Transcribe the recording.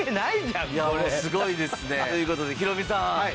すごいですね。という事でヒロミさん。